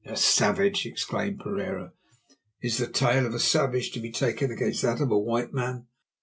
"A savage!" exclaimed Pereira. "Is the tale of a savage to be taken against that of a white man?